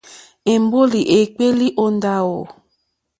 Èmbólì èkpéélì ó ndáwò.